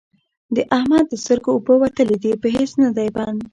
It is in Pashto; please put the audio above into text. د احمد د سترګو اوبه وتلې دي؛ په هيڅ نه دی بند،